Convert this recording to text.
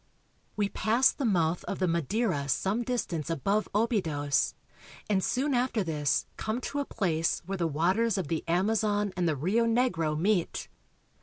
We pass the mouth of the Madeira some distance above Obidos, and soon after this come to a place where the waters of the Amazon and the Rio Negro meet.